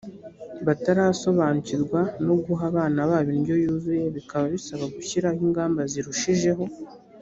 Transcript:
batarasobanukirwa no guha abana babo indyo yuzuye bikaba bisaba gushyiraho ingamba zirushijeho